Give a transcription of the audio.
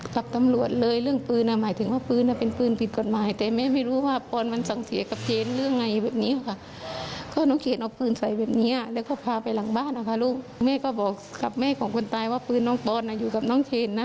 กับแม่หน่วงคนตายเต็มว่าปืนน้องปอนน่ะอยู่กับน้องเชนนะ